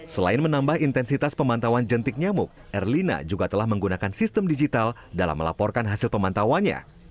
selain menambah intensitas pemantauan jentik nyamuk erlina juga telah menggunakan sistem digital dalam melaporkan hasil pemantauannya